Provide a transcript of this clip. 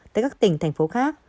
tới các tỉnh thành phố khác